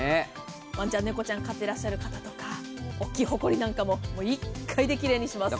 ワンちゃん、ネコちゃん飼ってらっしゃる方とか大きいほこりなんかも１回で奇麗にします。